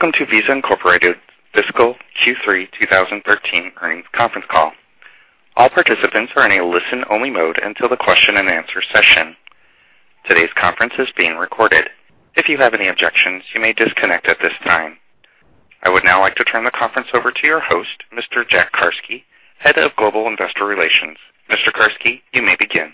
Welcome to Visa Inc. Fiscal Q3 2013 earnings conference call. All participants are in a listen-only mode until the question and answer session. Today's conference is being recorded. If you have any objections, you may disconnect at this time. I would now like to turn the conference over to your host, Mr. Jack Carsky, Head of Global Investor Relations. Mr. Carsky, you may begin.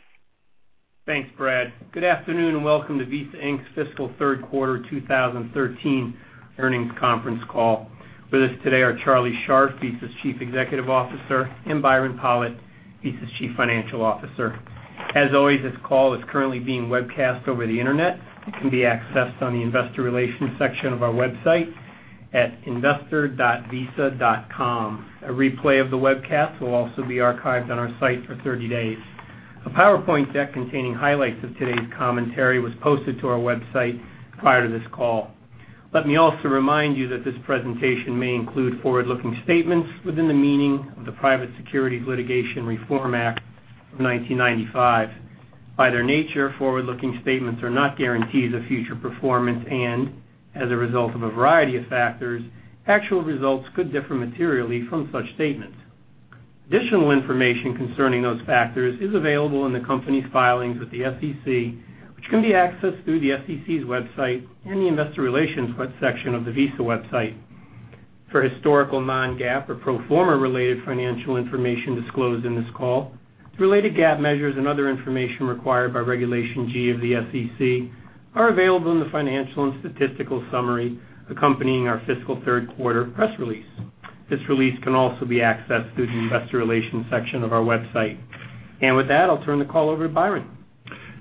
Thanks, Brad. Good afternoon and welcome to Visa Inc.'s fiscal third quarter 2013 earnings conference call. With us today are Charlie Scharf, Visa's Chief Executive Officer, and Byron Pollitt, Visa's Chief Financial Officer. As always, this call is currently being webcast over the internet. It can be accessed on the investor relations section of our website at investor.visa.com. A replay of the webcast will also be archived on our site for 30 days. A PowerPoint deck containing highlights of today's commentary was posted to our website prior to this call. Let me also remind you that this presentation may include forward-looking statements within the meaning of the Private Securities Litigation Reform Act of 1995. By their nature, forward-looking statements are not guarantees of future performance, as a result of a variety of factors, actual results could differ materially from such statements. Additional information concerning those factors is available in the company's filings with the SEC, which can be accessed through the SEC's website and the investor relations section of the Visa website. For historical non-GAAP or pro forma-related financial information disclosed in this call, related GAAP measures and other information required by Regulation G of the SEC are available in the financial and statistical summary accompanying our fiscal third-quarter press release. This release can also be accessed through the investor relations section of our website. With that, I'll turn the call over to Byron.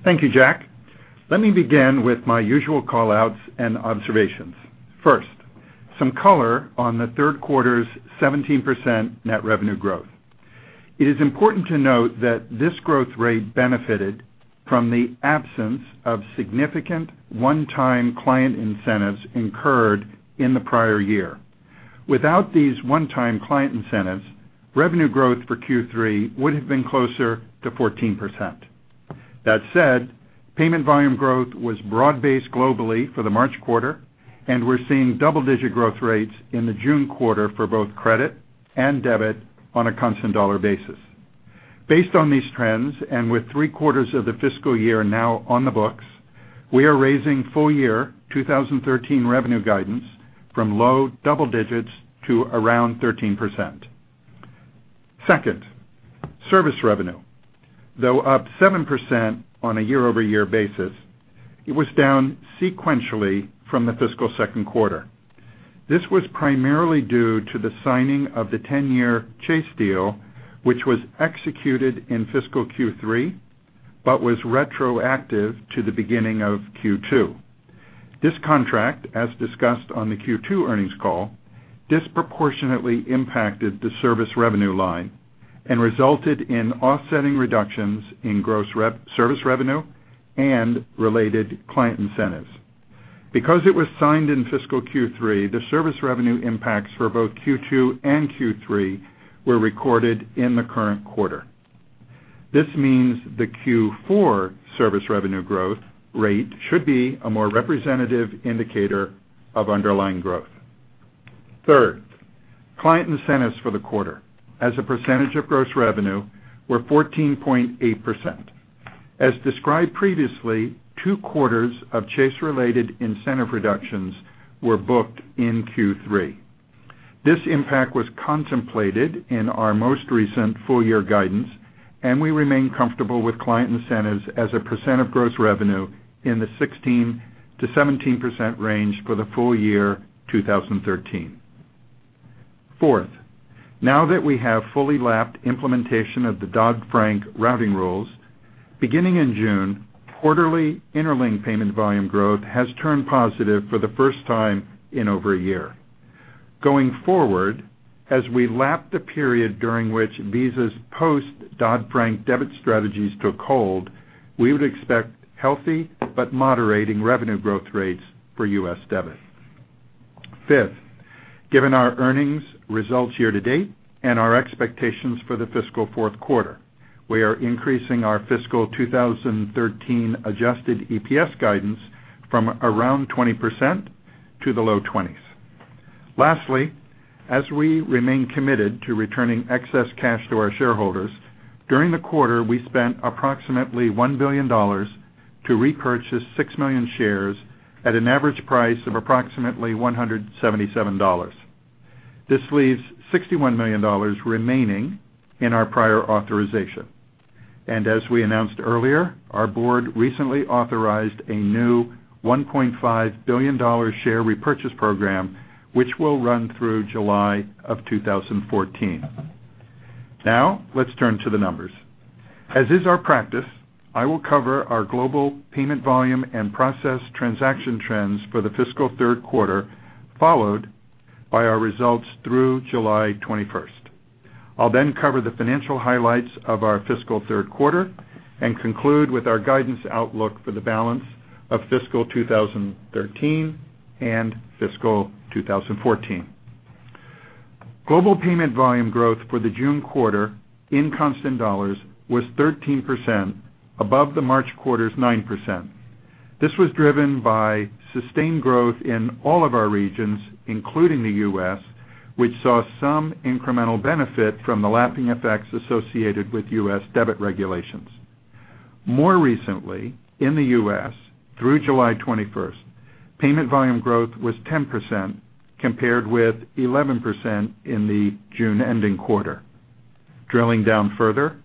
Thank you, Jack. Let me begin with my usual call-outs and observations. First, some color on the third quarter's 17% net revenue growth. It is important to note that this growth rate benefited from the absence of significant one-time client incentives incurred in the prior year. Without these one-time client incentives, revenue growth for Q3 would have been closer to 14%. That said, payment volume growth was broad-based globally for the March quarter, and we're seeing double-digit growth rates in the June quarter for both credit and debit on a constant dollar basis. Based on these trends, with three quarters of the fiscal year now on the books, we are raising full-year 2013 revenue guidance from low double digits to around 13%. Second, service revenue. Though up 7% on a year-over-year basis, it was down sequentially from the fiscal second quarter. This was primarily due to the signing of the 10-year Chase deal, which was executed in fiscal Q3 but was retroactive to the beginning of Q2. This contract, as discussed on the Q2 earnings call, disproportionately impacted the service revenue line and resulted in offsetting reductions in gross service revenue and related client incentives. Because it was signed in fiscal Q3, the service revenue impacts for both Q2 and Q3 were recorded in the current quarter. This means the Q4 service revenue growth rate should be a more representative indicator of underlying growth. Third, client incentives for the quarter, as a percentage of gross revenue, were 14.8%. As described previously, two quarters of Chase-related incentive reductions were booked in Q3. This impact was contemplated in our most recent full-year guidance. We remain comfortable with client incentives as a percent of gross revenue in the 16%-17% range for the full year 2013. Fourth, now that we have fully lapped implementation of the Dodd-Frank routing rules, beginning in June, quarterly Interlink payment volume growth has turned positive for the first time in over a year. Going forward, as we lap the period during which Visa's post-Dodd-Frank debit strategies took hold, we would expect healthy but moderating revenue growth rates for U.S. debit. Fifth, given our earnings results year to date and our expectations for the fiscal fourth quarter, we are increasing our fiscal 2013 adjusted EPS guidance from around 20% to the low 20s. Lastly, as we remain committed to returning excess cash to our shareholders, during the quarter, we spent approximately $1 billion to repurchase six million shares at an average price of approximately $177. This leaves $61 million remaining in our prior authorization. As we announced earlier, our board recently authorized a new $1.5 billion share repurchase program, which will run through July of 2014. Let's turn to the numbers. As is our practice, I will cover our global payment volume and process transaction trends for the fiscal third quarter, followed by our results through July 21st. I'll then cover the financial highlights of our fiscal third quarter and conclude with our guidance outlook for the balance of fiscal 2013 and fiscal 2014. Global payment volume growth for the June quarter in constant dollars was 13%, above the March quarter's 9%. This was driven by sustained growth in all of our regions, including the U.S., which saw some incremental benefit from the lapping effects associated with U.S. debit regulations. More recently, in the U.S., through July 21st, payment volume growth was 10%, compared with 11% in the June-ending quarter. Drilling down further,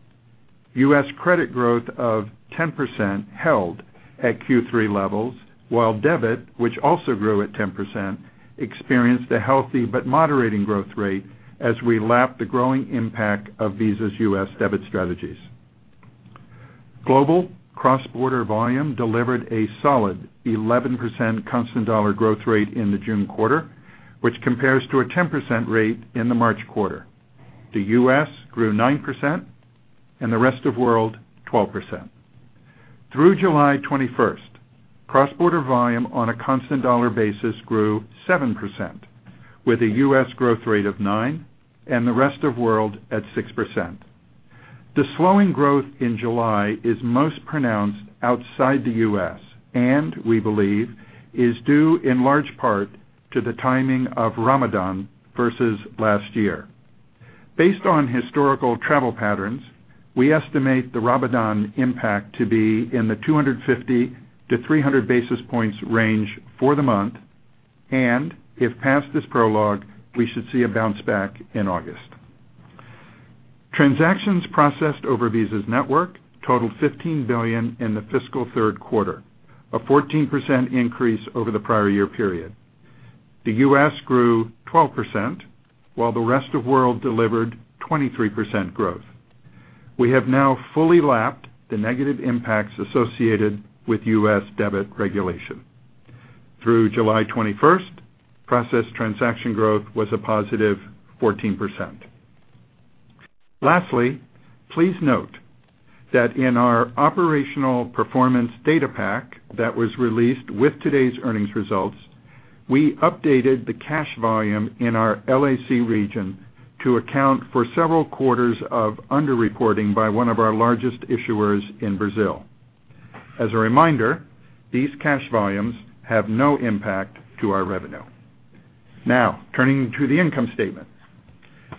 U.S. credit growth of 10% held at Q3 levels, while debit, which also grew at 10%, experienced a healthy but moderating growth rate as we lapped the growing impact of Visa's U.S. debit strategies. Global cross-border volume delivered a solid 11% constant dollar growth rate in the June quarter, which compares to a 10% rate in the March quarter. The U.S. grew 9%, and the rest of world 12%. Through July 21st, cross-border volume on a constant dollar basis grew 7%, with a U.S. growth rate of 9% and the rest of world at 6%. The slowing growth in July is most pronounced outside the U.S. and we believe is due in large part to the timing of Ramadan versus last year. Based on historical travel patterns, we estimate the Ramadan impact to be in the 250-300 basis points range for the month, and if past this prologue, we should see a bounce-back in August. Transactions processed over Visa's network totaled $15 billion in the fiscal third quarter, a 14% increase over the prior year period. The U.S. grew 12%, while the rest of world delivered 23% growth. We have now fully lapped the negative impacts associated with U.S. debit regulation. Through July 21st, processed transaction growth was a positive 14%. Please note that in our operational performance data pack that was released with today's earnings results, we updated the cash volume in our LAC region to account for several quarters of under-reporting by one of our largest issuers in Brazil. As a reminder, these cash volumes have no impact to our revenue. Turning to the income statement.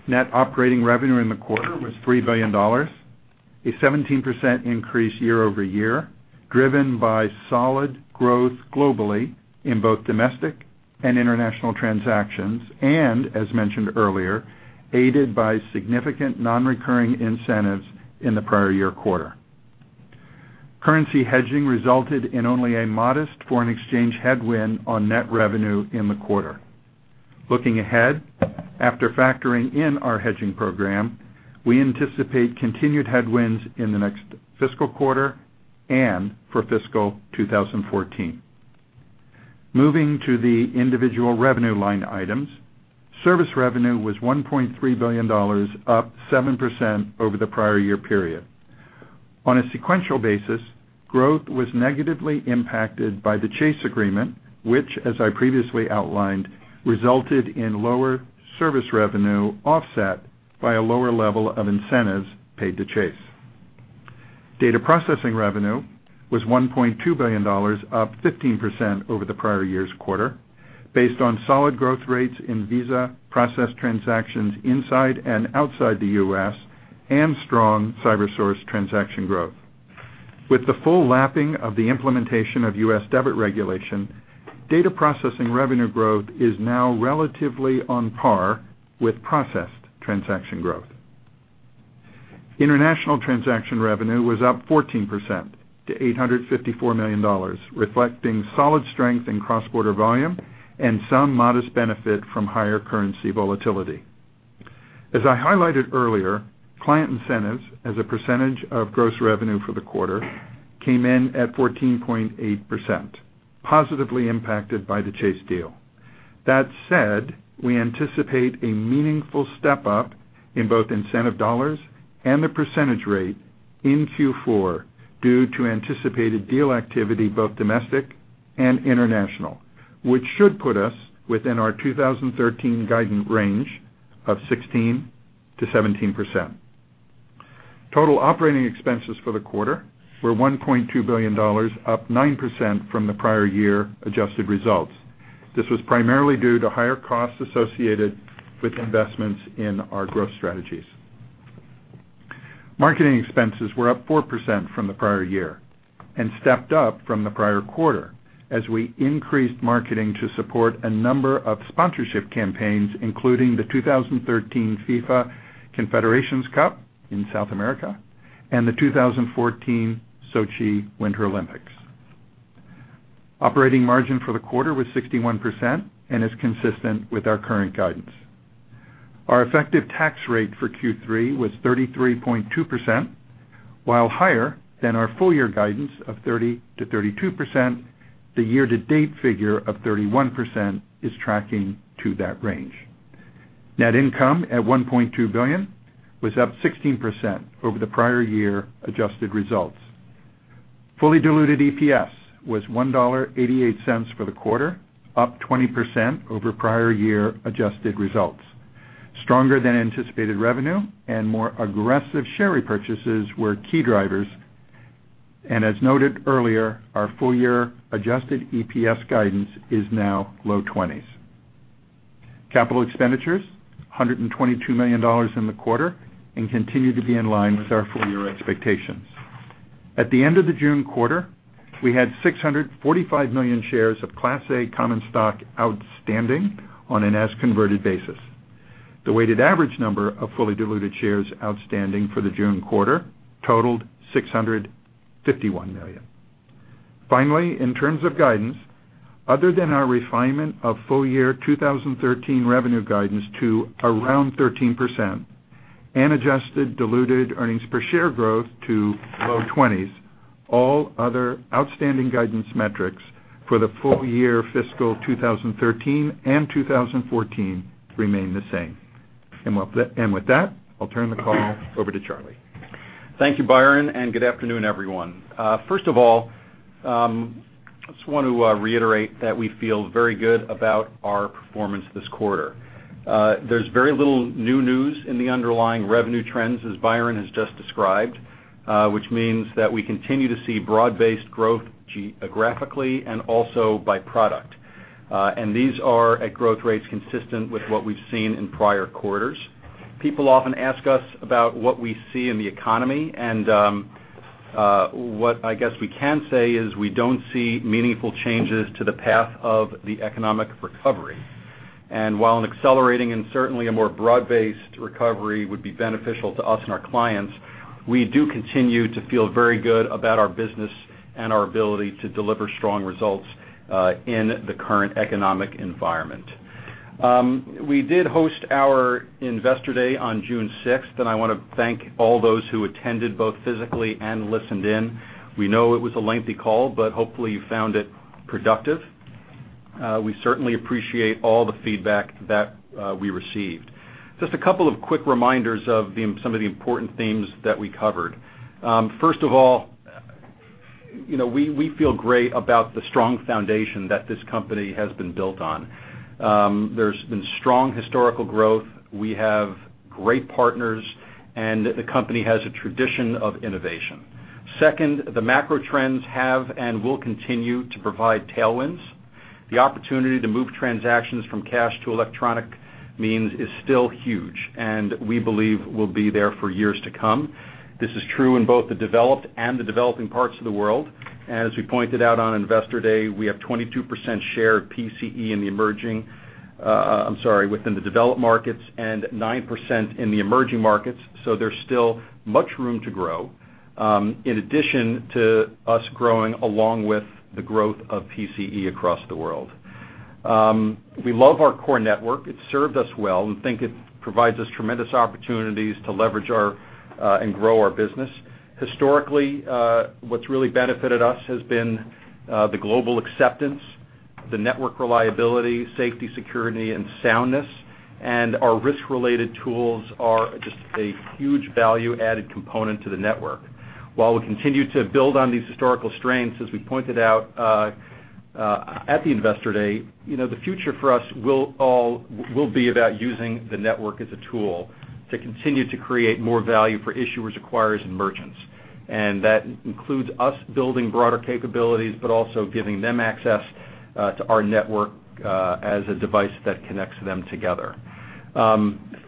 Net operating revenue in the quarter was $3 billion, a 17% increase year-over-year, driven by solid growth globally in both domestic and international transactions and, as mentioned earlier, aided by significant non-recurring incentives in the prior year quarter. Currency hedging resulted in only a modest foreign exchange headwind on net revenue in the quarter. Looking ahead, after factoring in our hedging program, we anticipate continued headwinds in the next fiscal quarter and for fiscal 2014. Moving to the individual revenue line items, service revenue was $1.3 billion, up 7% over the prior year period. On a sequential basis, growth was negatively impacted by the Chase agreement, which as I previously outlined, resulted in lower service revenue offset by a lower level of incentives paid to Chase. Data processing revenue was $1.2 billion, up 15% over the prior year's quarter based on solid growth rates in Visa processed transactions inside and outside the U.S. and strong CyberSource transaction growth. With the full lapping of the implementation of U.S. debit regulation, data processing revenue growth is now relatively on par with processed transaction growth. International transaction revenue was up 14% to $854 million, reflecting solid strength in cross-border volume and some modest benefit from higher currency volatility. As I highlighted earlier, client incentives as a percentage of gross revenue for the quarter came in at 14.8%, positively impacted by the Chase deal. That said, we anticipate a meaningful step-up in both incentive dollars and the percentage rate in Q4 due to anticipated deal activity, both domestic and international, which should put us within our 2013 guidance range of 16%-17%. Total operating expenses for the quarter were $1.2 billion, up 9% from the prior year adjusted results. This was primarily due to higher costs associated with investments in our growth strategies. Marketing expenses were up 4% from the prior year and stepped up from the prior quarter as we increased marketing to support a number of sponsorship campaigns, including the 2013 FIFA Confederations Cup in South America and the 2014 Sochi Winter Olympics. Operating margin for the quarter was 61% and is consistent with our current guidance. Our effective tax rate for Q3 was 33.2%, while higher than our full-year guidance of 30%-32%, the year-to-date figure of 31% is tracking to that range. Net income at $1.2 billion was up 16% over the prior year adjusted results. Fully diluted EPS was $1.88 for the quarter, up 20% over prior year adjusted results. Stronger than anticipated revenue and more aggressive share repurchases were key drivers. As noted earlier, our full-year adjusted EPS guidance is now low 20s. Capital expenditures, $122 million in the quarter and continue to be in line with our full-year expectations. At the end of the June quarter, we had 645 million shares of Class A common stock outstanding on an as-converted basis. The weighted average number of fully diluted shares outstanding for the June quarter totaled 651 million. Finally, in terms of guidance, other than our refinement of full-year 2013 revenue guidance to around 13% and adjusted diluted earnings per share growth to low 20s, all other outstanding guidance metrics for the full-year fiscal 2013 and 2014 remain the same. With that, I'll turn the call over to Charlie. Thank you, Byron, and good afternoon, everyone. First of all, I just want to reiterate that we feel very good about our performance this quarter. There's very little new news in the underlying revenue trends, as Byron has just described, which means that we continue to see broad-based growth geographically and also by product. These are at growth rates consistent with what we've seen in prior quarters. People often ask us about what we see in the economy, and what I guess we can say is we don't see meaningful changes to the path of the economic recovery. While an accelerating and certainly a more broad-based recovery would be beneficial to us and our clients, we do continue to feel very good about our business and our ability to deliver strong results in the current economic environment. We did host our Investor Day on June 6th, and I want to thank all those who attended, both physically and listened in. We know it was a lengthy call, hopefully you found it productive. We certainly appreciate all the feedback that we received. Just a couple of quick reminders of some of the important themes that we covered. First of all, we feel great about the strong foundation that this company has been built on. There's been strong historical growth, we have great partners, and the company has a tradition of innovation. Second, the macro trends have and will continue to provide tailwinds. The opportunity to move transactions from cash to electronic means is still huge, and we believe will be there for years to come. This is true in both the developed and the developing parts of the world. As we pointed out on Investor Day, we have 22% share of PCE within the developed markets and 9% in the emerging markets. There's still much room to grow, in addition to us growing along with the growth of PCE across the world. We love our core network. It's served us well. We think it provides us tremendous opportunities to leverage and grow our business. Historically, what's really benefited us has been the global acceptance, the network reliability, safety, security, and soundness, and our risk-related tools are just a huge value-added component to the network. While we continue to build on these historical strengths, as we pointed out at the Investor Day, the future for us will be about using the network as a tool to continue to create more value for issuers, acquirers, and merchants. That includes us building broader capabilities, but also giving them access to our network as a device that connects them together.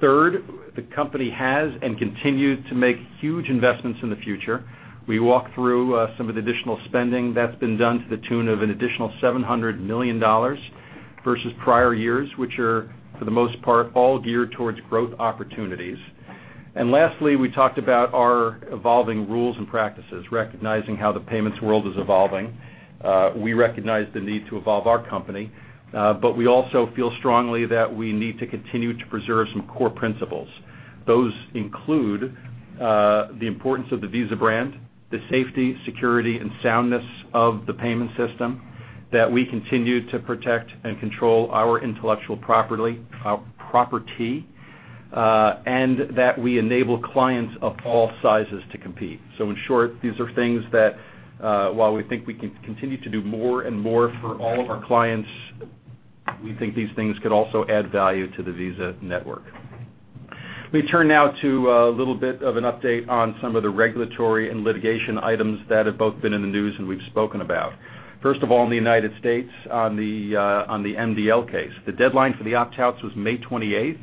Third, the company has and continues to make huge investments in the future. We walk through some of the additional spending that's been done to the tune of an additional $700 million versus prior years, which are, for the most part, all geared towards growth opportunities. Lastly, we talked about our evolving rules and practices, recognizing how the payments world is evolving. We recognize the need to evolve our company, but we also feel strongly that we need to continue to preserve some core principles. Those include the importance of the Visa brand, the safety, security, and soundness of the payment system, that we continue to protect and control our intellectual property, and that we enable clients of all sizes to compete. In short, these are things that while we think we can continue to do more and more for all of our clients, we think these things could also add value to the Visa network. Let me turn now to a little bit of an update on some of the regulatory and litigation items that have both been in the news and we've spoken about. First of all, in the U.S. on the MDL case, the deadline for the opt-outs was May 28th.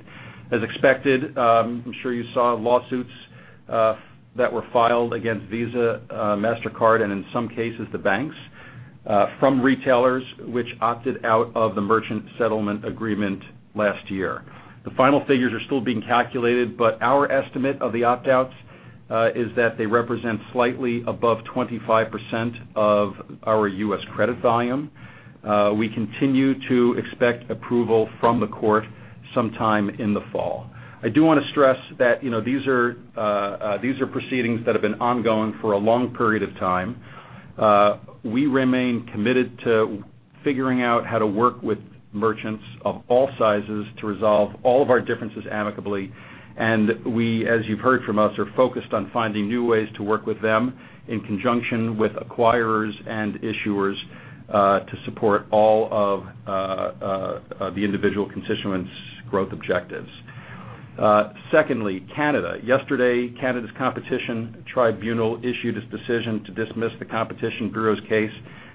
As expected, I'm sure you saw lawsuits that were filed against Visa, Mastercard, and in some cases, the banks from retailers which opted out of the merchant settlement agreement last year. The final figures are still being calculated, but our estimate of the opt-outs is that they represent slightly above 25% of our U.S. credit volume. We continue to expect approval from the court sometime in the fall. I do want to stress that these are proceedings that have been ongoing for a long period of time. We remain committed to figuring out how to work with merchants of all sizes to resolve all of our differences amicably. We, as you've heard from us, are focused on finding new ways to work with them in conjunction with acquirers and issuers to support all of the individual constituents' growth objectives. Secondly, Canada. Yesterday, Canada's Competition Tribunal issued its decision to dismiss the Competition Bureau's case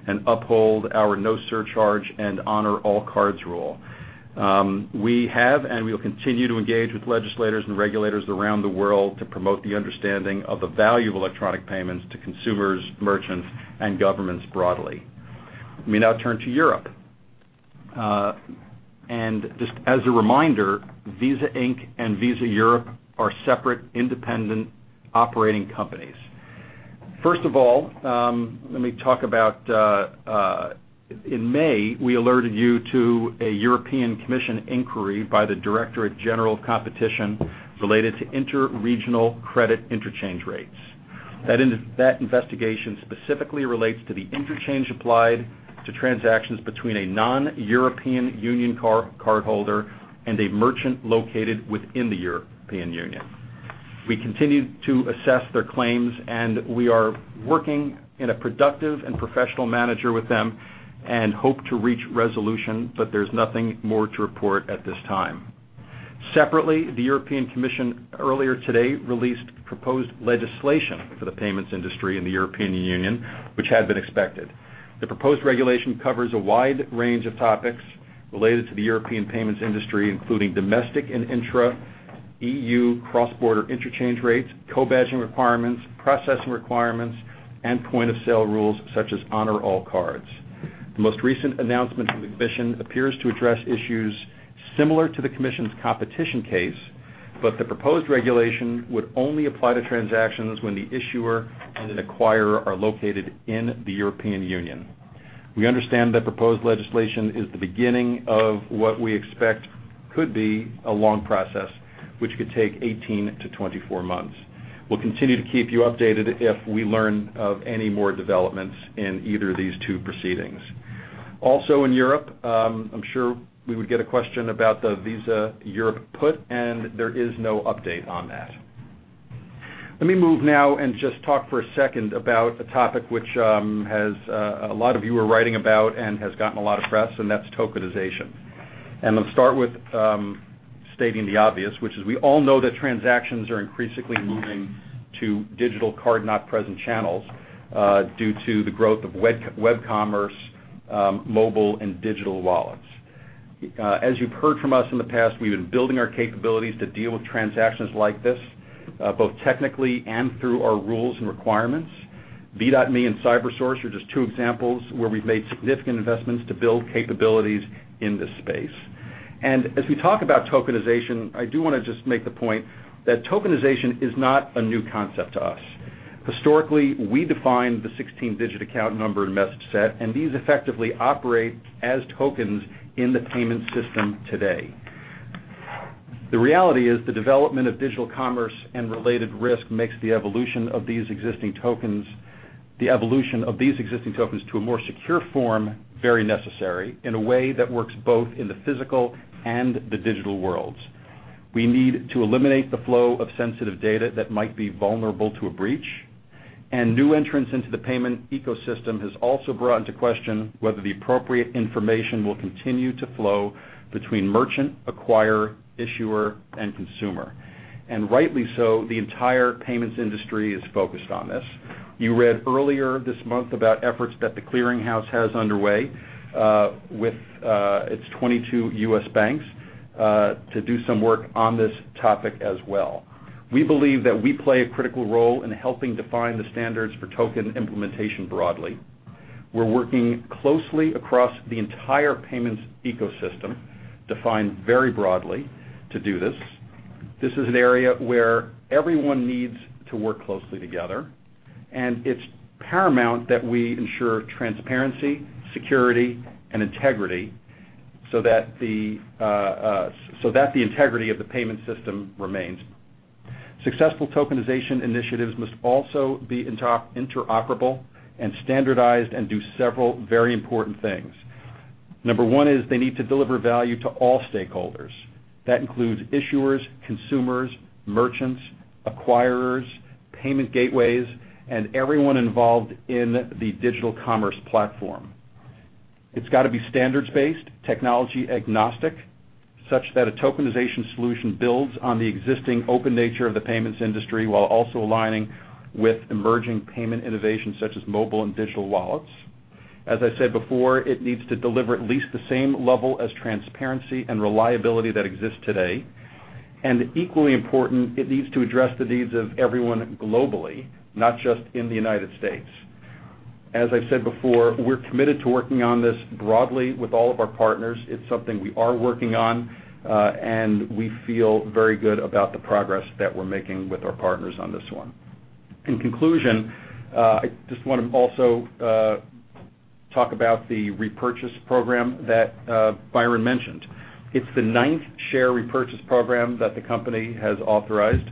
and uphold our no surcharge and Honour All Cards rule. We have, and we will continue to engage with legislators and regulators around the world to promote the understanding of the value of electronic payments to consumers, merchants, and governments broadly. Let me now turn to Europe. Just as a reminder, Visa Inc. and Visa Europe are separate, independent operating companies. First of all, let me talk about, in May, we alerted you to a European Commission inquiry by the Directorate-General for Competition related to interregional credit interchange rates. That investigation specifically relates to the interchange applied to transactions between a non-European Union cardholder and a merchant located within the European Union. We continue to assess their claims, and we are working in a productive and professional manner with them and hope to reach resolution. There's nothing more to report at this time. Separately, the European Commission earlier today released proposed legislation for the payments industry in the European Union, which had been expected. The proposed regulation covers a wide range of topics related to the European payments industry, including domestic and intra-EU cross-border interchange rates, co-badging requirements, processing requirements, and point-of-sale rules such as Honour All Cards. The most recent announcement from the Commission appears to address issues similar to the Commission's competition case, but the proposed regulation would only apply to transactions when the issuer and an acquirer are located in the European Union. We understand that proposed legislation is the beginning of what we expect could be a long process, which could take 18-24 months. We'll continue to keep you updated if we learn of any more developments in either of these two proceedings. Also in Europe, I'm sure we would get a question about the Visa Europe put, and there is no update on that. Let me move now and just talk for a second about a topic which a lot of you are writing about and has gotten a lot of press, and that's tokenization. Let me start with stating the obvious, which is we all know that transactions are increasingly moving to digital card not present channels due to the growth of web commerce, mobile, and digital wallets. As you've heard from us in the past, we've been building our capabilities to deal with transactions like this both technically and through our rules and requirements. V.me and CyberSource are just two examples where we've made significant investments to build capabilities in this space. As we talk about tokenization, I do want to just make the point that tokenization is not a new concept to us. Historically, we define the 16-digit account number and message set, these effectively operate as tokens in the payment system today. The reality is the development of digital commerce and related risk makes the evolution of these existing tokens to a more secure form very necessary in a way that works both in the physical and the digital worlds. We need to eliminate the flow of sensitive data that might be vulnerable to a breach, new entrants into the payment ecosystem has also brought into question whether the appropriate information will continue to flow between merchant, acquirer, issuer, and consumer. Rightly so, the entire payments industry is focused on this. You read earlier this month about efforts that The Clearing House has underway with its 22 U.S. banks to do some work on this topic as well. We believe that we play a critical role in helping define the standards for token implementation broadly. We're working closely across the entire payments ecosystem, defined very broadly, to do this. This is an area where everyone needs to work closely together, and it's paramount that we ensure transparency, security, and integrity so that the integrity of the payment system remains. Successful tokenization initiatives must also be interoperable and standardized and do several very important things. Number one is they need to deliver value to all stakeholders. That includes issuers, consumers, merchants, acquirers, payment gateways, and everyone involved in the digital commerce platform. It's got to be standards-based, technology agnostic, such that a tokenization solution builds on the existing open nature of the payments industry while also aligning with emerging payment innovations such as mobile and digital wallets. Equally important, it needs to address the needs of everyone globally, not just in the U.S. As I've said before, we're committed to working on this broadly with all of our partners. It's something we are working on, and we feel very good about the progress that we're making with our partners on this one. In conclusion, I just want to also talk about the repurchase program that Byron mentioned. It's the ninth share repurchase program that the company has authorized.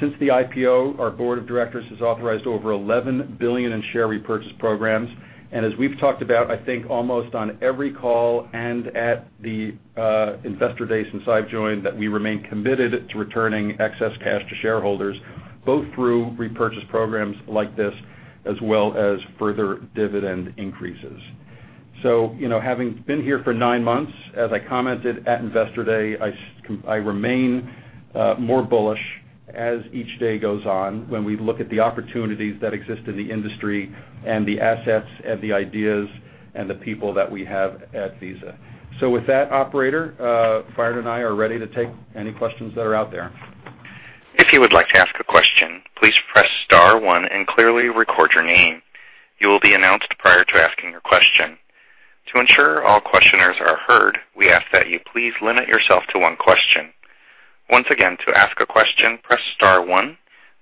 Since the IPO, our board of directors has authorized over $11 billion in share repurchase programs. As we've talked about, I think almost on every call and at the Investor Day since I've joined, that we remain committed to returning excess cash to shareholders, both through repurchase programs like this, as well as further dividend increases. Having been here for nine months, as I commented at Investor Day, I remain more bullish as each day goes on when we look at the opportunities that exist in the industry and the assets and the ideas and the people that we have at Visa. With that, operator, Farhad and I are ready to take any questions that are out there. If you would like to ask a question, please press *1 and clearly record your name. You will be announced prior to asking your question. To ensure all questioners are heard, we ask that you please limit yourself to one question. Once again, to ask a question, press *1.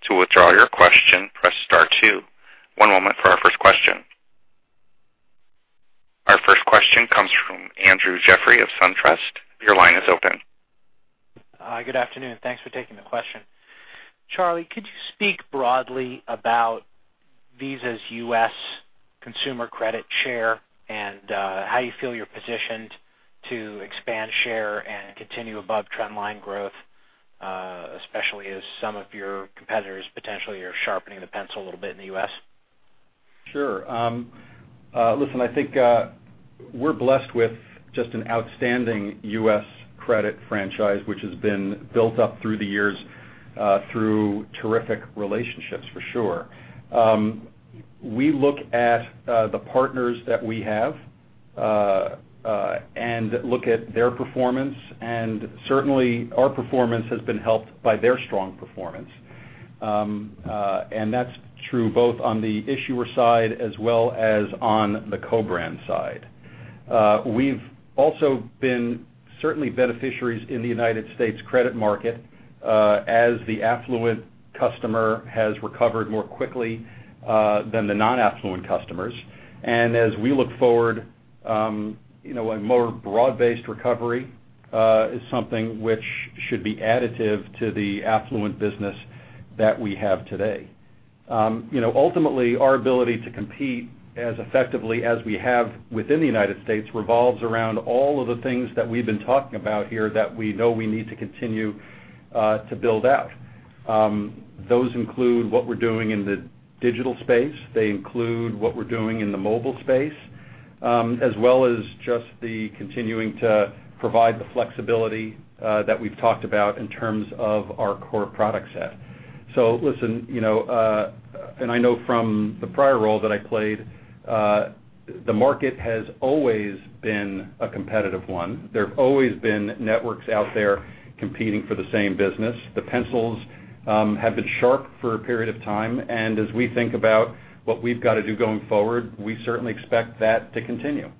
To withdraw your question, press *2. One moment for our first question. Our first question comes from Andrew Jeffrey of SunTrust. Your line is open. Good afternoon. Thanks for taking the question. Charlie, could you speak broadly about Visa's U.S. consumer credit share and how you feel you're positioned to expand share and continue above trend line growth, especially as some of your competitors potentially are sharpening the pencil a little bit in the U.S.? Sure. Listen, I think we're blessed with just an outstanding U.S. credit franchise, which has been built up through the years through terrific relationships, for sure. We look at the partners that we have, and look at their performance, and certainly, our performance has been helped by their strong performance. That's true both on the issuer side as well as on the co-brand side. We've also been certainly beneficiaries in the United States credit market as the affluent customer has recovered more quickly than the non-affluent customers. As we look forward, a more broad-based recovery is something which should be additive to the affluent business that we have today. Ultimately, our ability to compete as effectively as we have within the United States revolves around all of the things that we've been talking about here that we know we need to continue to build out. Those include what we're doing in the digital space. They include what we're doing in the mobile space, as well as just the continuing to provide the flexibility that we've talked about in terms of our core product set. Listen, I know from the prior role that I played, the market has always been a competitive one. There have always been networks out there competing for the same business. The pencils have been sharp for a period of time, as we think about what we've got to do going forward, we certainly expect that to continue.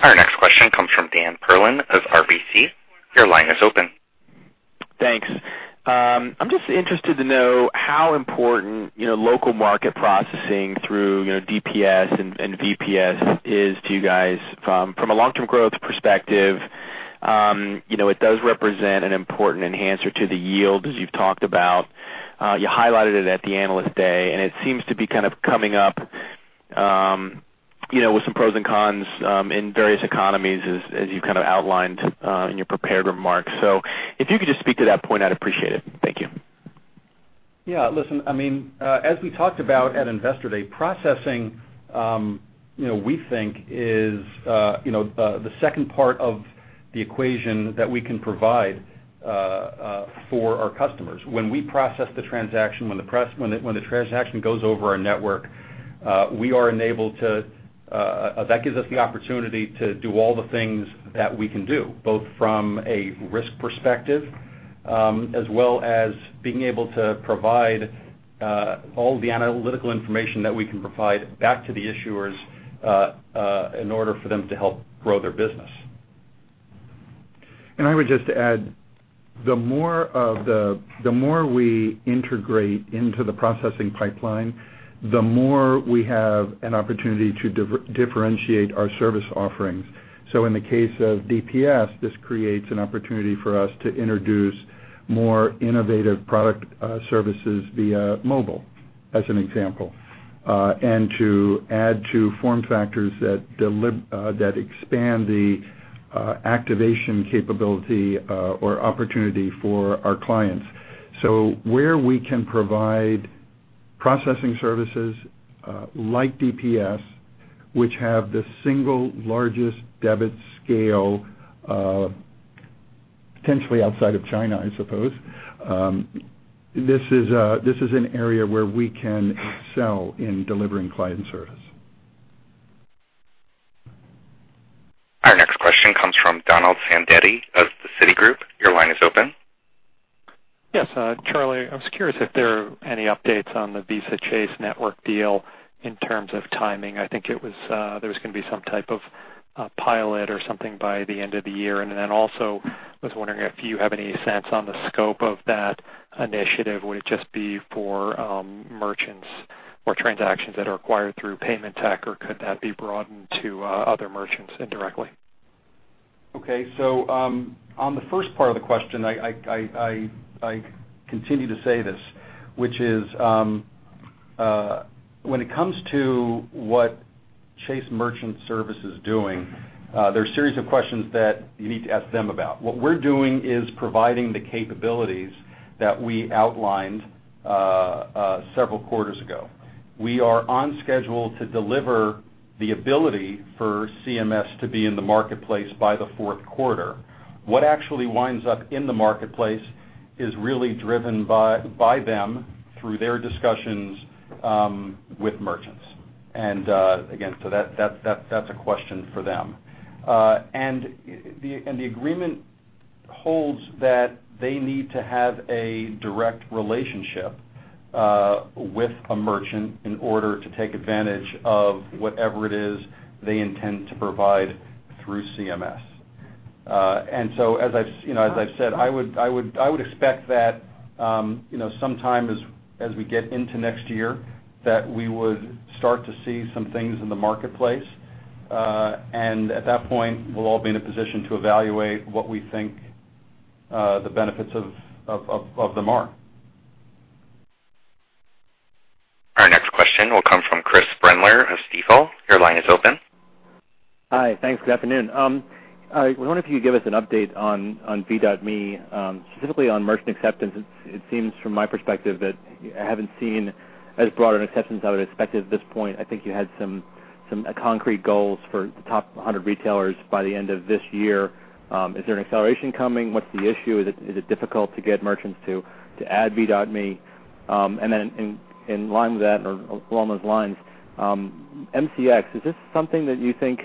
Our next question comes from Daniel Perlin of RBC. Your line is open. Thanks. I'm just interested to know how important local market processing through DPS and VPS is to you guys. From a long-term growth perspective, it does represent an important enhancer to the yield, as you've talked about. You highlighted it at the Analyst Day, and it seems to be coming up with some pros and cons in various economies as you've outlined in your prepared remarks. If you could just speak to that point, I'd appreciate it. Thank you. Yeah. Listen, as we talked about at Investor Day, processing we think is the second part of the equation that we can provide for our customers. When we process the transaction, when the transaction goes over our network, that gives us the opportunity to do all the things that we can do, both from a risk perspective, as well as being able to provide all the analytical information that we can provide back to the issuers in order for them to help grow their business. I would just add, the more we integrate into the processing pipeline, the more we have an opportunity to differentiate our service offerings. In the case of DPS, this creates an opportunity for us to introduce more innovative product services via mobile, as an example, and to add to form factors that expand the activation capability or opportunity for our clients. Where we can provide processing services like DPS, which have the single largest debit scale potentially outside of China, I suppose, this is an area where we can excel in delivering client service. Our next question comes from Donald Fandetti of the Citigroup. Your line is open. Yes. Charlie, I was curious if there are any updates on the Visa Chase network deal in terms of timing. I think there was going to be some type of pilot or something by the end of the year. Also was wondering if you have any sense on the scope of that initiative. Would it just be for merchants or transactions that are acquired through Paymentech, or could that be broadened to other merchants indirectly? Okay. On the first part of the question, I continue to say this, which is, when it comes to what Chase Merchant Services is doing, there's a series of questions that you need to ask them about. What we're doing is providing the capabilities that we outlined several quarters ago. We are on schedule to deliver the ability for CMS to be in the marketplace by the fourth quarter. What actually winds up in the marketplace is really driven by them through their discussions with merchants. That's a question for them. The agreement holds that they need to have a direct relationship with a merchant in order to take advantage of whatever it is they intend to provide through CMS. As I've said, I would expect that sometime as we get into next year, that we would start to see some things in the marketplace. At that point, we'll all be in a position to evaluate what we think the benefits of them are. Our next question will come from Chris Brendler of Stifel. Your line is open. Hi. Thanks. Good afternoon. I wonder if you could give us an update on V.me, specifically on merchant acceptance. It seems from my perspective that I haven't seen as broad an acceptance as I would expected at this point. I think you had some concrete goals for the top 100 retailers by the end of this year. Is there an acceleration coming? What's the issue? Is it difficult to get merchants to add V.me? Along those lines, MCX, is this something that you think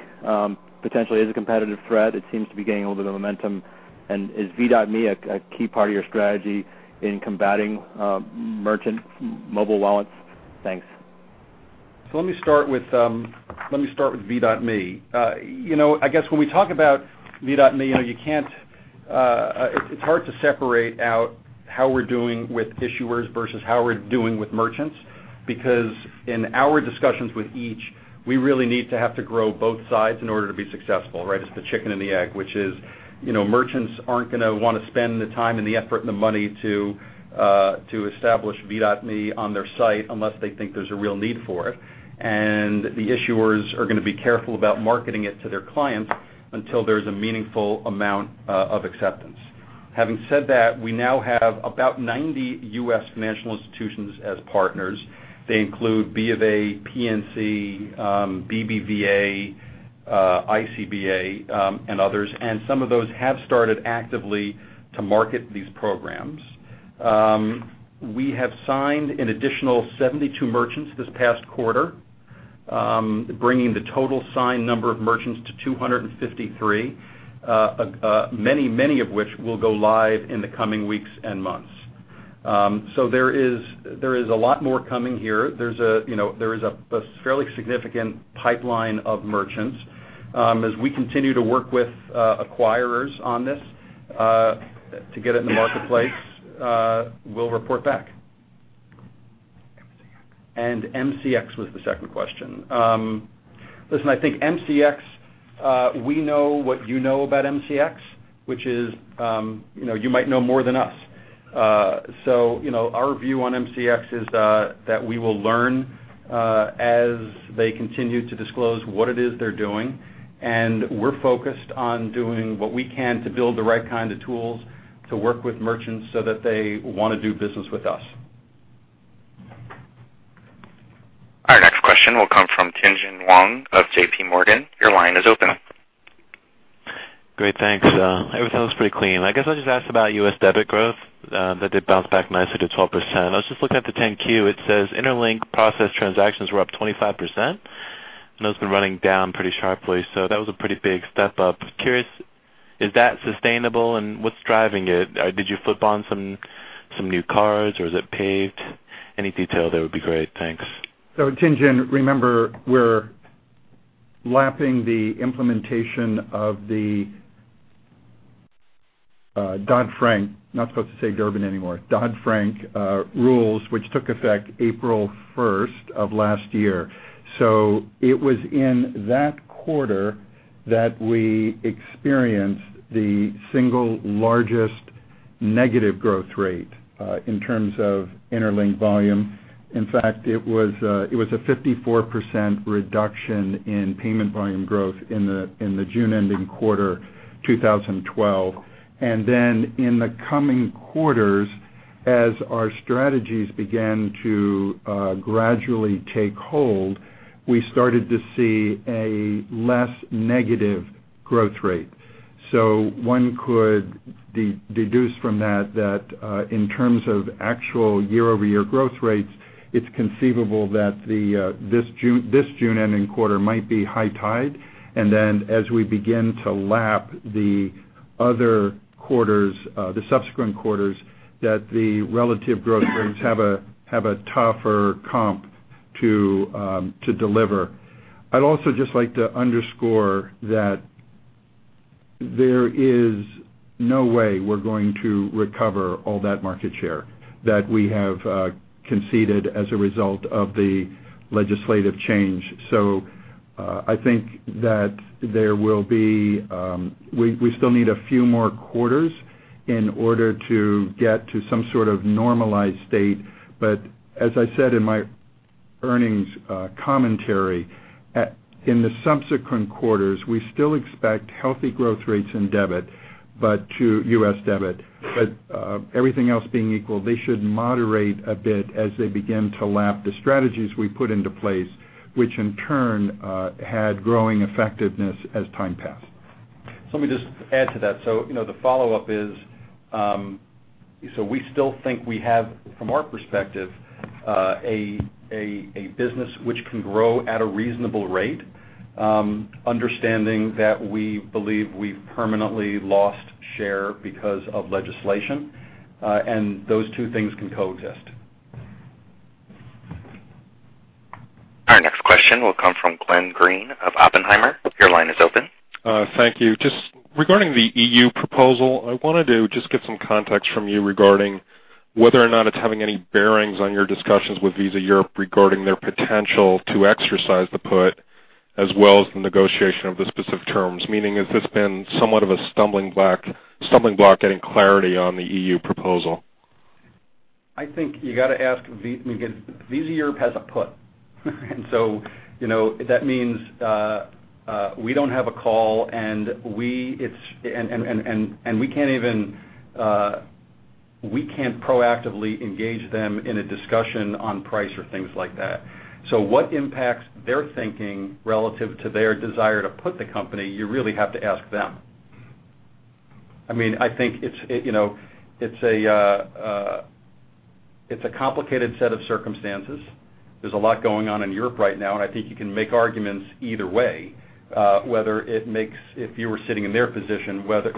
potentially is a competitive threat? It seems to be gaining a little bit of momentum. Is V.me a key part of your strategy in combating merchant mobile wallets? Thanks. Let me start with V.me. I guess when we talk about V.me, it's hard to separate out how we're doing with issuers versus how we're doing with merchants because in our discussions with each, we really need to have to grow both sides in order to be successful, right? It's the chicken and the egg, which is, merchants aren't going to want to spend the time and the effort and the money to establish V.me on their site unless they think there's a real need for it. The issuers are going to be careful about marketing it to their clients until there's a meaningful amount of acceptance. Having said that, we now have about 90 U.S. financial institutions as partners. They include B of A, PNC, BBVA, ICBA, and others, and some of those have started actively to market these programs. We have signed an additional 72 merchants this past quarter, bringing the total signed number of merchants to 253, many of which will go live in the coming weeks and months. There is a lot more coming here. There is a fairly significant pipeline of merchants. As we continue to work with acquirers on this to get it in the marketplace, we'll report back. MCX was the second question. Listen, I think MCX, we know what you know about MCX, which is you might know more than us. Our view on MCX is that we will learn as they continue to disclose what it is they're doing, and we're focused on doing what we can to build the right kind of tools to work with merchants so that they want to do business with us. Our next question will come from Tien-Tsin Huang of J.P. Morgan. Your line is open. Great, thanks. Everything looks pretty clean. I guess I'll just ask about U.S. debit growth. That did bounce back nicely to 12%. I was just looking at the 10-Q. It says Interlink process transactions were up 25%, and that's been running down pretty sharply, so that was a pretty big step-up. Curious, is that sustainable and what's driving it? Did you flip on some new cards, or is it PAVD? Any detail there would be great. Thanks. Tien-Tsin, remember, we're lapping the implementation of the Dodd-Frank. Not supposed to say Durbin anymore. Dodd-Frank rules, which took effect April 1st of last year. It was in that quarter that we experienced the single largest negative growth rate in terms of Interlink volume. In fact, it was a 54% reduction in payment volume growth in the June-ending quarter 2012. In the coming quarters, as our strategies began to gradually take hold, we started to see a less negative growth rate. One could deduce from that that in terms of actual year-over-year growth rates, it's conceivable that this June-ending quarter might be high tide, and then as we begin to lap the other quarters, the subsequent quarters, that the relative growth rates have a tougher comp to deliver. I'd also just like to underscore that There is no way we're going to recover all that market share that we have conceded as a result of the legislative change. I think that we still need a few more quarters in order to get to some sort of normalized state. As I said in my earnings commentary, in the subsequent quarters, we still expect healthy growth rates in debit, but to U.S. debit. Everything else being equal, they should moderate a bit as they begin to lap the strategies we put into place, which in turn had growing effectiveness as time passed. Let me just add to that. The follow-up is, we still think we have, from our perspective, a business which can grow at a reasonable rate, understanding that we believe we've permanently lost share because of legislation. Those two things can coexist. Our next question will come from Glenn Greene of Oppenheimer & Co. Inc. Your line is open. Thank you. Regarding the EU proposal, I wanted to just get some context from you regarding whether or not it's having any bearings on your discussions with Visa Europe regarding their potential to exercise the put as well as the negotiation of the specific terms. Meaning, has this been somewhat of a stumbling block getting clarity on the EU proposal? Visa Europe has a put. That means we don't have a call, and we can't proactively engage them in a discussion on price or things like that. What impacts their thinking relative to their desire to put the company, you really have to ask them. I think it's a complicated set of circumstances. There's a lot going on in Europe right now, and I think you can make arguments either way, whether if you were sitting in their position, whether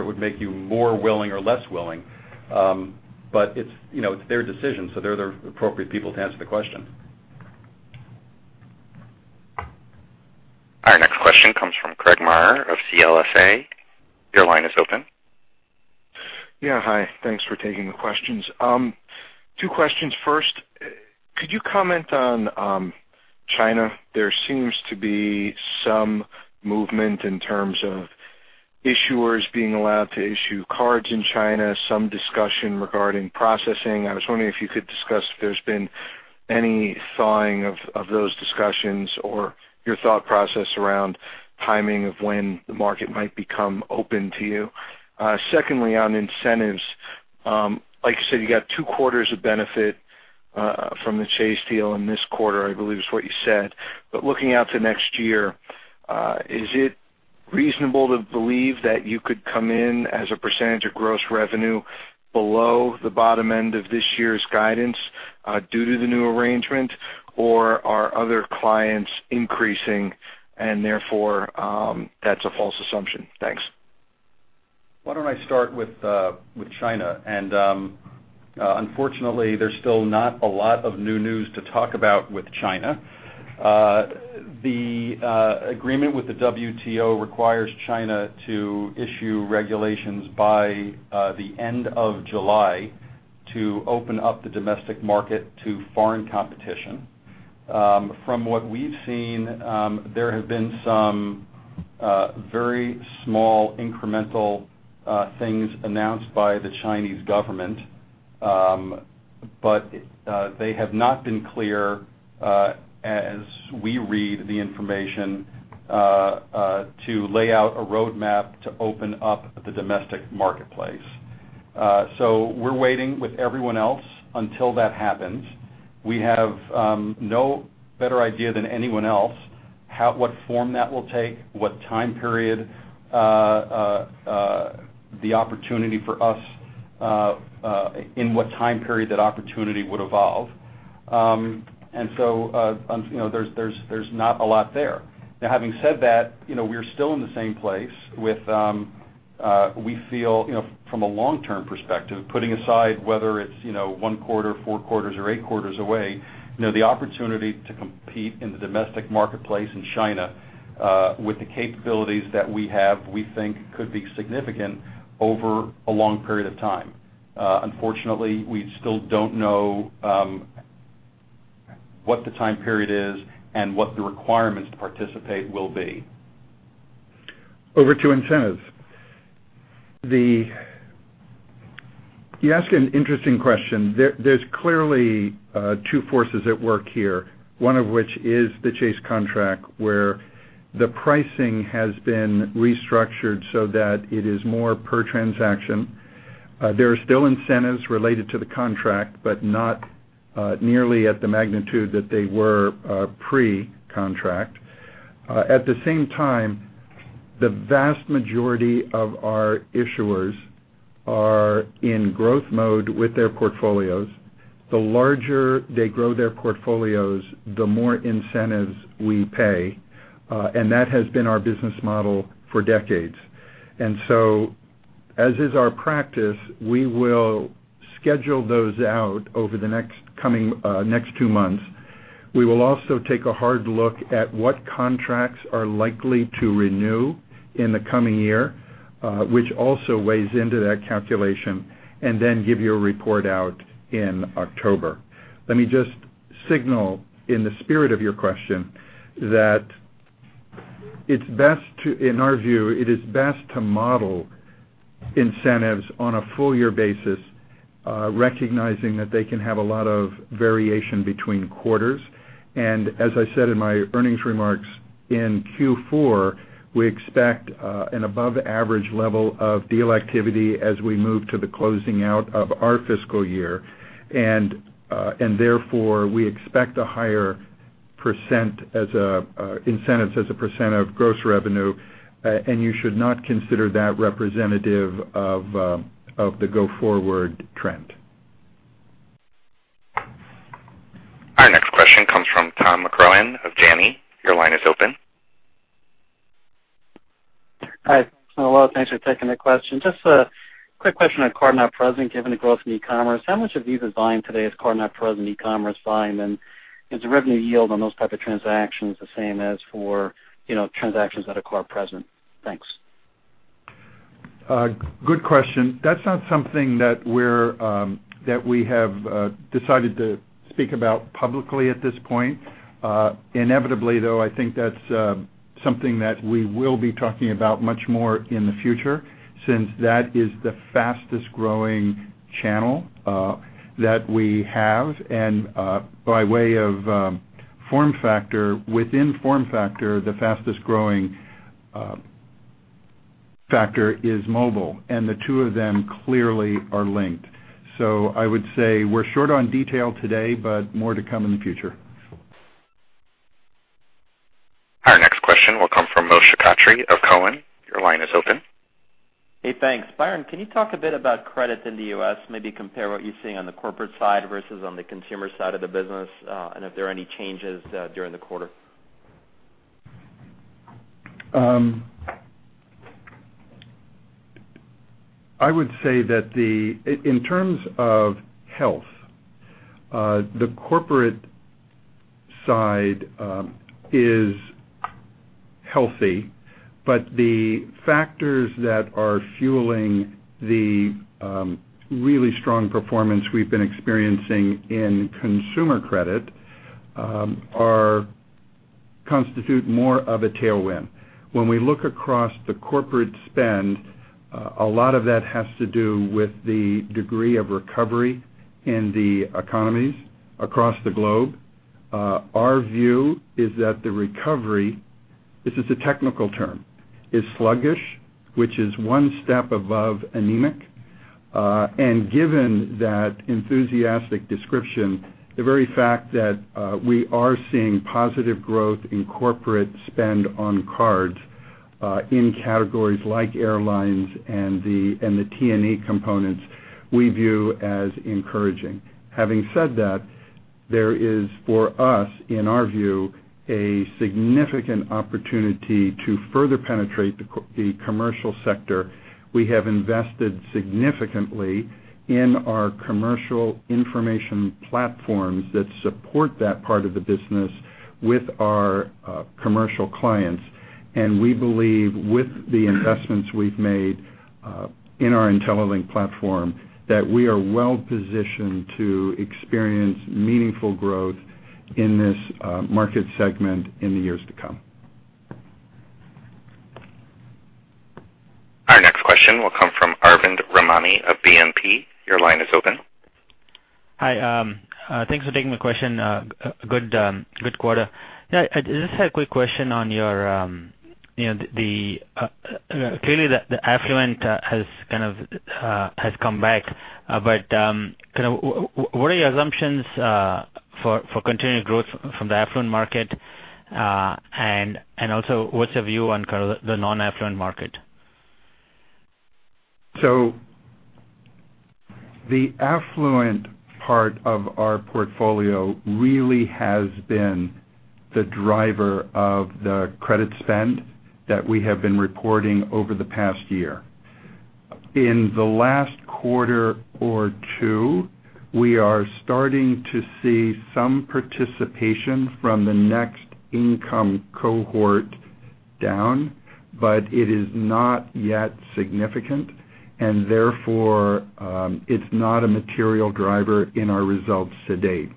it would make you more willing or less willing. It's their decision, so they're the appropriate people to answer the question. Our next question comes from Craig Maurer of CLSA. Your line is open. Hi. Thanks for taking the questions. 2 questions. First, could you comment on China? There seems to be some movement in terms of issuers being allowed to issue cards in China, some discussion regarding processing. I was wondering if you could discuss if there's been any thawing of those discussions or your thought process around timing of when the market might become open to you. Secondly, on incentives, like you said, you got 2 quarters of benefit from the Chase deal in this quarter, I believe is what you said. Looking out to next year, is it reasonable to believe that you could come in as a percentage of gross revenue below the bottom end of this year's guidance due to the new arrangement, or are other clients increasing, and therefore, that's a false assumption? Thanks. Why don't I start with China. Unfortunately, there's still not a lot of new news to talk about with China. The agreement with the WTO requires China to issue regulations by the end of July to open up the domestic market to foreign competition. From what we've seen, there have been some very small incremental things announced by the Chinese government. They have not been clear, as we read the information, to lay out a roadmap to open up the domestic marketplace. We're waiting with everyone else until that happens. We have no better idea than anyone else what form that will take, in what time period that opportunity would evolve. There's not a lot there. Now, having said that, we're still in the same place. We feel from a long-term perspective, putting aside whether it's 1 quarter, 4 quarters, or 8 quarters away, the opportunity to compete in the domestic marketplace in China with the capabilities that we have, we think could be significant over a long period of time. Unfortunately, we still don't know what the time period is and what the requirements to participate will be. Over to incentives. You ask an interesting question. There's clearly 2 forces at work here, 1 of which is the Chase contract, where the pricing has been restructured so that it is more per transaction. There are still incentives related to the contract, but not nearly at the magnitude that they were pre-contract. At the same time, the vast majority of our issuers are in growth mode with their portfolios. The larger they grow their portfolios, the more incentives we pay. That has been our business model for decades. As is our practice, we will schedule those out over the next 2 months. We will also take a hard look at what contracts are likely to renew in the coming year, which also weighs into that calculation, and then give you a report out in October. Let me just signal in the spirit of your question that, in our view, it is best to model incentives on a full year basis, recognizing that they can have a lot of variation between quarters. As I said in my earnings remarks, in Q4, we expect an above-average level of deal activity as we move to the closing out of our fiscal year. Therefore, we expect a higher incentives as a % of gross revenue, and you should not consider that representative of the go-forward trend. Our next question comes from Tom McCrohan of Janney. Your line is open. Hi, thanks a lot. Thanks for taking the question. Just a quick question on card-not-present. Given the growth in e-commerce, how much of Visa volume today is card-not-present e-commerce volume? Is the revenue yield on those type of transactions the same as for transactions that are card present? Thanks. Good question. That's not something that we have decided to speak about publicly at this point. Inevitably, though, I think that's something that we will be talking about much more in the future since that is the fastest-growing channel that we have. By way of form factor, within form factor, the fastest-growing factor is mobile, and the two of them clearly are linked. I would say we're short on detail today, but more to come in the future. Our next question will come from Moshe Katri of Cowen. Your line is open. Hey, thanks. Byron, can you talk a bit about credit in the U.S., maybe compare what you're seeing on the corporate side versus on the consumer side of the business, and if there are any changes during the quarter? I would say that in terms of health, the corporate side is healthy, but the factors that are fueling the really strong performance we've been experiencing in consumer credit constitute more of a tailwind. When we look across the corporate spend, a lot of that has to do with the degree of recovery in the economies across the globe. Our view is that the recovery, this is a technical term, is sluggish, which is one step above anemic. Given that enthusiastic description, the very fact that we are seeing positive growth in corporate spend on cards in categories like airlines and the T&E components, we view as encouraging. Having said that, there is for us, in our view, a significant opportunity to further penetrate the commercial sector. We have invested significantly in our commercial information platforms that support that part of the business with our commercial clients. We believe with the investments we've made in our IntelliLink platform, that we are well-positioned to experience meaningful growth in this market segment in the years to come. Our next question will come from Arvind Ramani of BNP. Your line is open. Hi. Thanks for taking my question. Good quarter. I just had a quick question. Clearly the affluent has come back. What are your assumptions for continued growth from the affluent market? What's your view on the non-affluent market? The affluent part of our portfolio really has been the driver of the credit spend that we have been reporting over the past year. In the last quarter or two, we are starting to see some participation from the next income cohort down, but it is not yet significant, and therefore it's not a material driver in our results to date.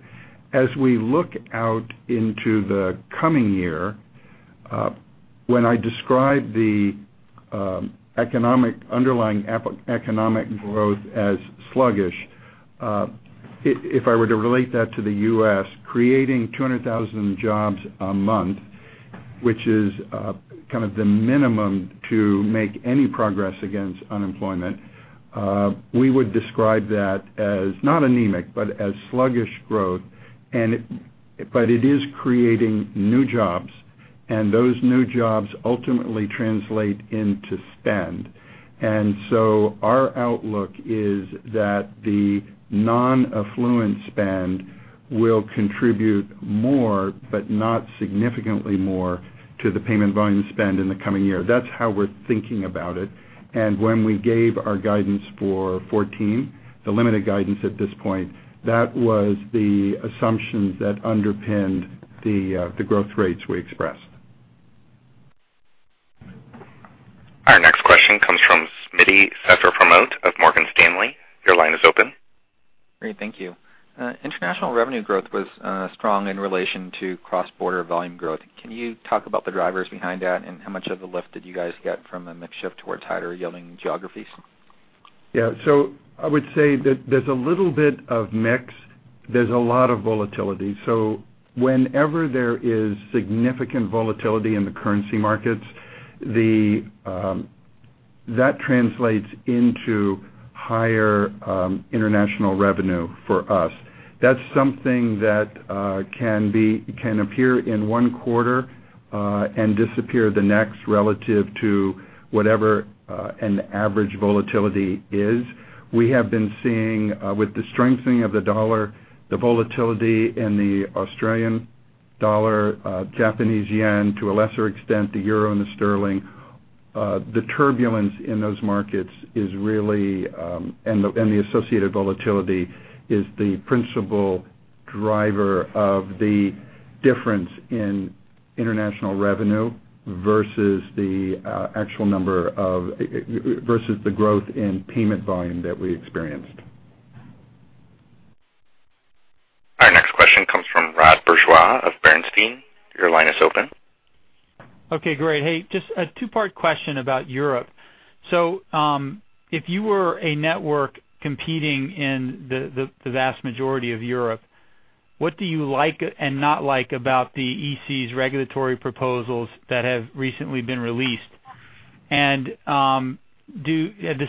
As we look out into the coming year, when I describe the underlying economic growth as sluggish, if I were to relate that to the U.S. creating 200,000 jobs a month, which is kind of the minimum to make any progress against unemployment, we would describe that as not anemic, but as sluggish growth. It is creating new jobs, and those new jobs ultimately translate into spend. Our outlook is that the non-affluent spend will contribute more, but not significantly more, to the payment volume spend in the coming year. That's how we're thinking about it. When we gave our guidance for 2014, the limited guidance at this point, that was the assumptions that underpinned the growth rates we expressed. Our next question comes from Smittipon Srethapramote of Morgan Stanley. Your line is open. Great, thank you. International revenue growth was strong in relation to cross-border volume growth. Can you talk about the drivers behind that, and how much of the lift did you guys get from the mix shift towards higher-yielding geographies? Yeah. I would say that there's a little bit of mix. There's a lot of volatility. Whenever there is significant volatility in the currency markets, that translates into higher international revenue for us. That's something that can appear in one quarter, and disappear the next relative to whatever an average volatility is. We have been seeing with the strengthening of the dollar, the volatility in the Australian dollar, Japanese yen, to a lesser extent, the euro and the sterling. The turbulence in those markets and the associated volatility is the principal driver of the difference in international revenue versus the growth in payment volume that we experienced. Our next question comes from Rod Bourgeois of Bernstein. Your line is open. Okay, great. Hey, just a two-part question about Europe. If you were a network competing in the vast majority of Europe, what do you like and not like about the EC's regulatory proposals that have recently been released? The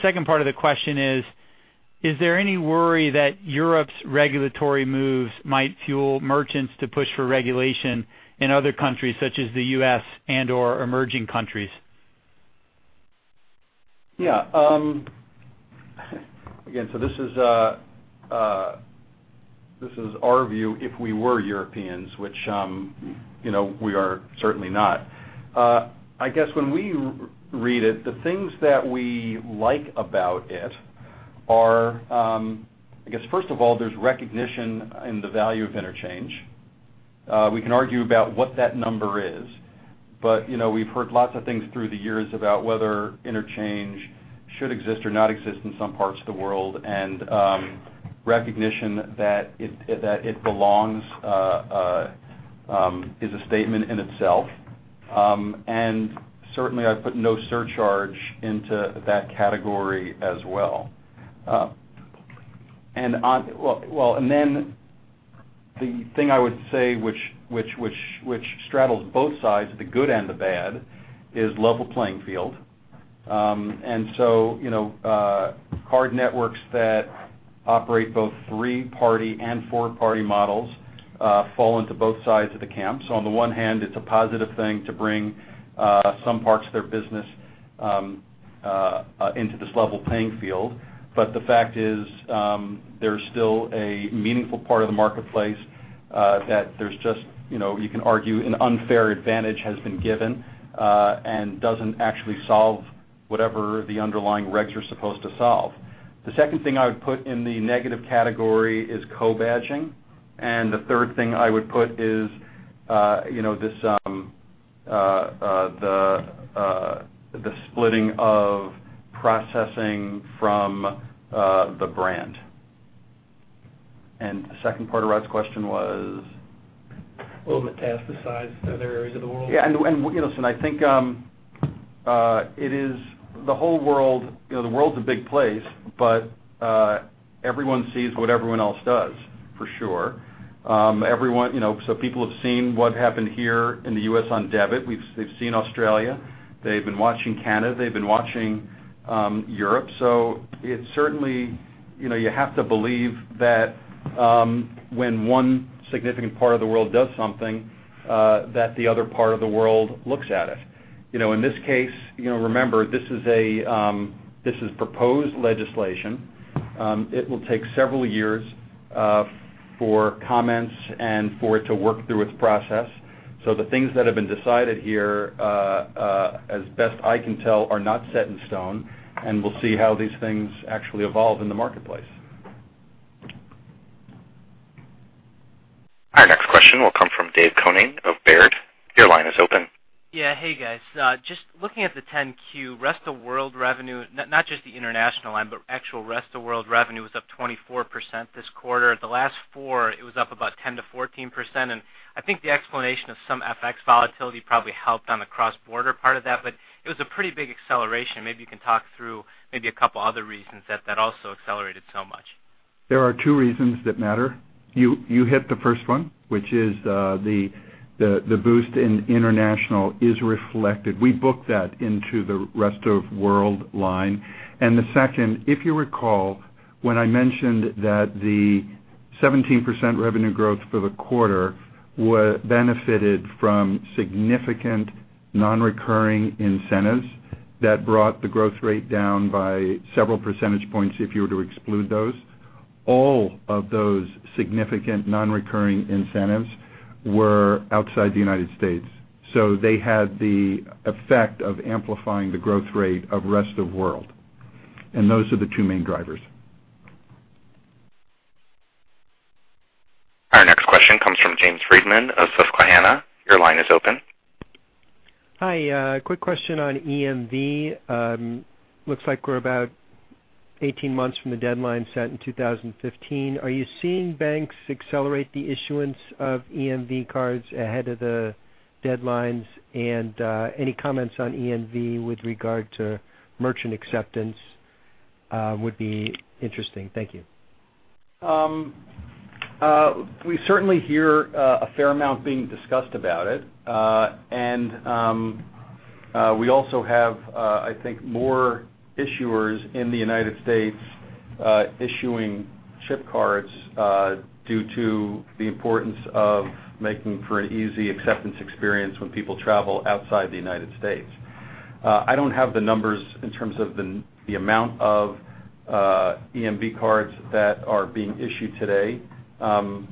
second part of the question is there any worry that Europe's regulatory moves might fuel merchants to push for regulation in other countries such as the U.S. and/or emerging countries? Yeah. Again, this is our view if we were Europeans, which we are certainly not. I guess when we read it, the things that we like about it are, first of all, there's recognition in the value of interchange. We can argue about what that number is, but we've heard lots of things through the years about whether interchange should exist or not exist in some parts of the world. Recognition that it belongs is a statement in itself. Certainly I put no surcharge into that category as well. The thing I would say which straddles both sides, the good and the bad, is level playing field. Card networks that operate both three-party and four-party models fall into both sides of the camp. On the one hand, it's a positive thing to bring some parts of their business into this level playing field. The fact is, there's still a meaningful part of the marketplace that you can argue an unfair advantage has been given and doesn't actually solve whatever the underlying regs are supposed to solve. The second thing I would put in the negative category is co-badging, and the third thing I would put is the splitting of processing from the brand. The second part of Rod's question was Will it metastasize to other areas of the world? Listen, I think the world's a big place, everyone sees what everyone else does, for sure. People have seen what happened here in the U.S. on debit. They've seen Australia. They've been watching Canada. They've been watching Europe. You have to believe that when one significant part of the world does something, that the other part of the world looks at it. In this case, remember, this is proposed legislation. It will take several years for comments and for it to work through its process. The things that have been decided here, as best I can tell, are not set in stone. We'll see how these things actually evolve in the marketplace. Our next question will come from David Koning of Baird. Your line is open. Hey, guys. Just looking at the 10-Q, rest of world revenue, not just the international line, but actual rest of world revenue was up 24% this quarter. The last four, it was up about 10%-14%. I think the explanation of some FX volatility probably helped on the cross-border part of that, it was a pretty big acceleration. Maybe you can talk through maybe a couple other reasons that that also accelerated so much. There are two reasons that matter. You hit the first one, which is the boost in international is reflected. We book that into the rest of world line. The second, if you recall when I mentioned that the 17% revenue growth for the quarter benefited from significant non-recurring incentives that brought the growth rate down by several percentage points if you were to exclude those. All of those significant non-recurring incentives were outside the United States. They had the effect of amplifying the growth rate of rest of world. Those are the two main drivers. comes from James Friedman of Susquehanna. Your line is open. Hi. A quick question on EMV. Looks like we're about 18 months from the deadline set in 2015. Are you seeing banks accelerate the issuance of EMV cards ahead of the deadlines? Any comments on EMV with regard to merchant acceptance would be interesting. Thank you. We certainly hear a fair amount being discussed about it. We also have, I think, more issuers in the U.S. issuing chip cards due to the importance of making for an easy acceptance experience when people travel outside the U.S. I don't have the numbers in terms of the amount of EMV cards that are being issued today. It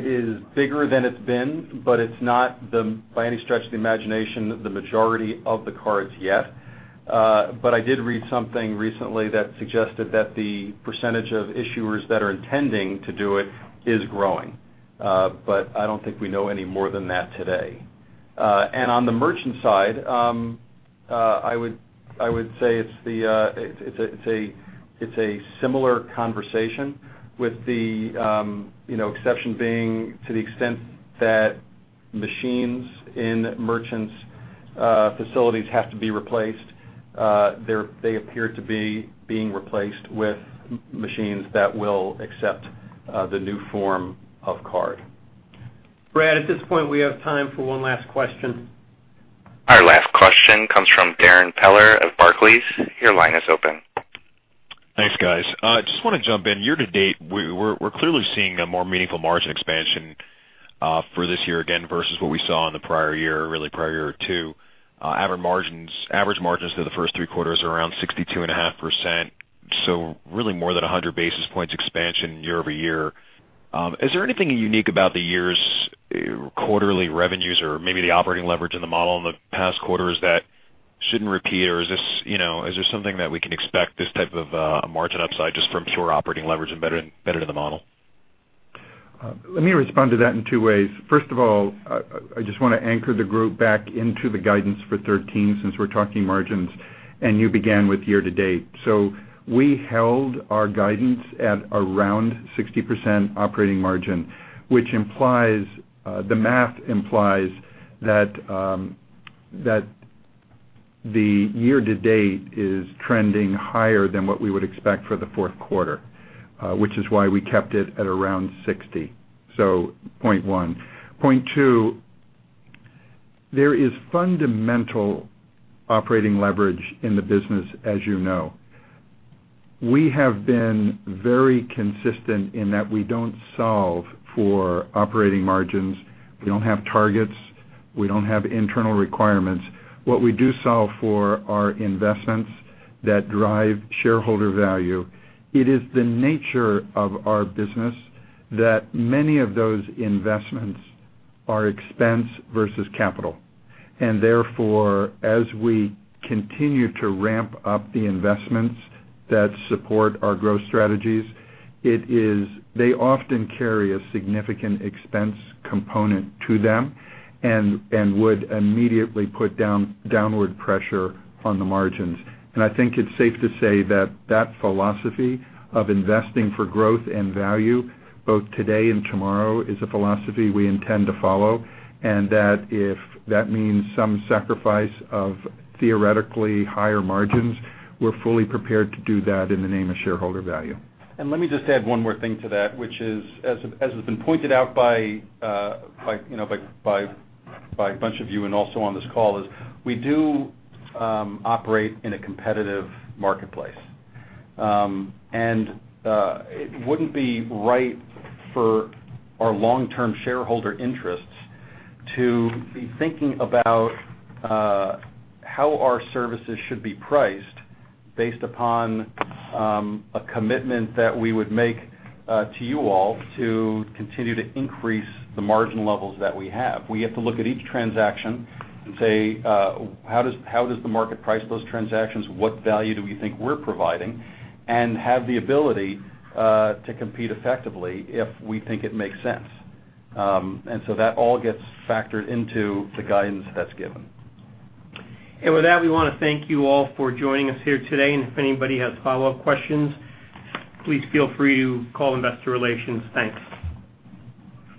is bigger than it's been, but it's not, by any stretch of the imagination, the majority of the cards yet. I did read something recently that suggested that the % of issuers that are intending to do it is growing. I don't think we know any more than that today. On the merchant side, I would say it's a similar conversation with the exception being to the extent that machines in merchants' facilities have to be replaced. They appear to be being replaced with machines that will accept the new form of card. Brad, at this point, we have time for one last question. Our last question comes from Darrin Peller of Barclays. Your line is open. Thanks, guys. Just want to jump in. Year to date, we're clearly seeing a more meaningful margin expansion for this year again versus what we saw in the prior year, really prior year two. Average margins through the first three quarters are around 62.5%, so really more than 100 basis points expansion year-over-year. Is there anything unique about the year's quarterly revenues or maybe the operating leverage in the model in the past quarters that shouldn't repeat, or is there something that we can expect this type of margin upside just from pure operating leverage and better to the model? Let me respond to that in two ways. First of all, I just want to anchor the group back into the guidance for 2013 since we're talking margins and you began with year-to-date. We held our guidance at around 60% operating margin, which the math implies that the year-to-date is trending higher than what we would expect for the fourth quarter, which is why we kept it at around 60%. Point one. Point two, there is fundamental operating leverage in the business as you know. We have been very consistent in that we don't solve for operating margins. We don't have targets. We don't have internal requirements. What we do solve for are investments that drive shareholder value. It is the nature of our business that many of those investments are expense versus capital. Therefore, as we continue to ramp up the investments that support our growth strategies, they often carry a significant expense component to them and would immediately put downward pressure on the margins. I think it's safe to say that that philosophy of investing for growth and value both today and tomorrow is a philosophy we intend to follow, and that if that means some sacrifice of theoretically higher margins, we're fully prepared to do that in the name of shareholder value. Let me just add one more thing to that, which is, as has been pointed out by a bunch of you and also on this call, is we do operate in a competitive marketplace. It wouldn't be right for our long-term shareholder interests to be thinking about how our services should be priced based upon a commitment that we would make to you all to continue to increase the margin levels that we have. We have to look at each transaction and say, how does the market price those transactions? What value do we think we're providing? Have the ability to compete effectively if we think it makes sense. That all gets factored into the guidance that's given. With that, we want to thank you all for joining us here today. If anybody has follow-up questions, please feel free to call Investor Relations. Thanks.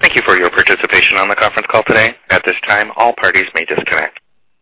Thank you for your participation on the conference call today. At this time, all parties may disconnect.